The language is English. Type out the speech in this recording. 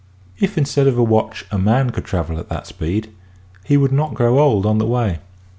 If instead of a watch a man could travel at that speed he would not grow old on the way.